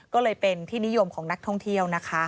ก็เลยเป็นที่นิยมของนักท่องเที่ยวนะคะ